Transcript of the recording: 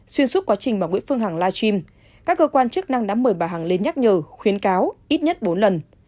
xuyên suốt quá trình bà nguyễn phương hằng live stream các cơ quan chức năng đã mời bà hằng lên nhắc nhở khuyến cáo ít nhất bốn lần